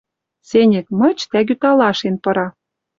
Сеньӹк мыч тӓгӱ талашен пыра.